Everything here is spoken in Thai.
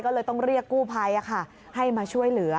ก็เลยต้องเรียกกู้ภัยให้มาช่วยเหลือ